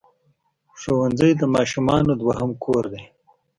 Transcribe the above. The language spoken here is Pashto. ښوونځی د ماشومانو دوهم کور دی.